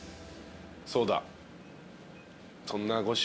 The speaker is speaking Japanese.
そうだ。